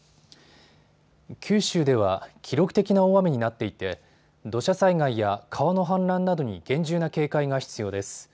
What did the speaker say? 九州では記録的な大雨になっていて土砂災害や川の氾濫などに厳重な警戒が必要です。